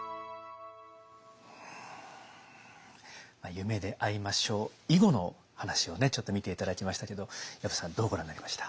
「夢であいましょう」以後の話をちょっと見て頂きましたけど薮さんどうご覧になりました？